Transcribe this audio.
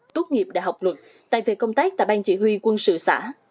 tốt nghiệp đại học luật tại về công tác tại bang chỉ huy quân sự xã